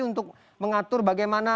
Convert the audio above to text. untuk mengatur bagaimana